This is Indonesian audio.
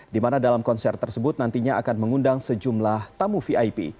di mana dalam konser tersebut nantinya akan mengundang sejumlah tamu vip